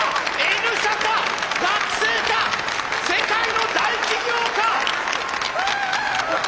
学生か世界の大企業か！